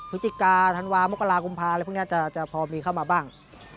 พฤศจิกาธันวามกรากุมภาอะไรพวกนี้จะพอมีเข้ามาบ้าง